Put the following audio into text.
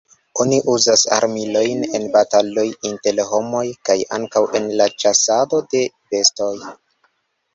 Oni uzas armilojn en bataloj inter homoj, kaj ankaŭ en la ĉasado de bestoj.